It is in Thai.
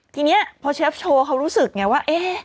ทีนี้พอเชฟโชว์เขารู้สึกไงว่า